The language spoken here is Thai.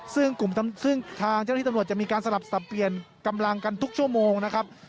ซึ่งกลุ่มซึ่งทางเจ้าหน้าที่ตำรวจจะมีการสลับสับเปลี่ยนกำลังกันทุกชั่วโมงนะครับ